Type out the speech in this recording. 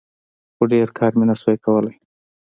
خو ډېر کار مې نسو کولاى.